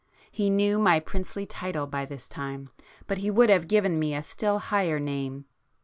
He knew my princely title by this time, but he would have given me a still higher name.